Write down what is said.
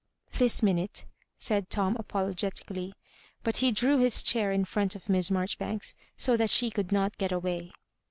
"This minute," said Tom, apologetically; but he drew his chair in fVont of Miss Maijoribanks, 80 that she oould not get away.